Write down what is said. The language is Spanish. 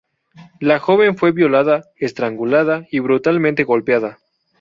La joven fue violada, estrangulada y brutalmente golpeada.